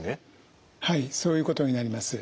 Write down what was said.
はいそういうことになります。